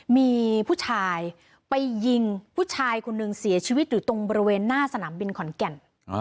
มีผู้ชายไปยิงผู้ชายคนหนึ่งเสียชีวิตอยู่ตรงบริเวณหน้าสนามบินขอนแก่น